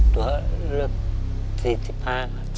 ตัวเลือก๔๕ครับ